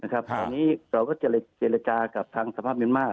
ตอนนี้เราก็จะเจรจากับทางสภาพเมียนมาร์